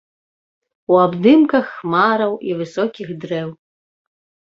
У абдымках хмараў і высокіх дрэў.